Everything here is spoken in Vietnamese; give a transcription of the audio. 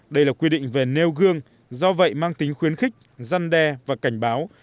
đây là quy định về nêu gương do vậy mang tính khuyến khích dăn đe và cảnh báo